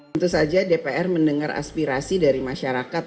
tentu saja dpr mendengar aspirasi dari masyarakat